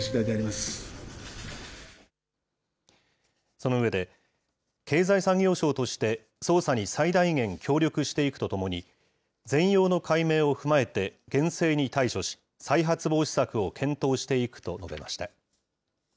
その上で、経済産業省として捜査に最大限協力していくとともに、全容の解明を踏まえて厳正に対処し、再発防止策を検討していくと述べました。